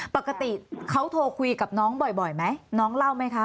ปกติเขาโทรคุยกับน้องบ่อยไหมน้องเล่าไหมคะ